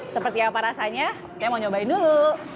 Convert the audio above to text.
seperti apa rasanya saya mau nyobain dulu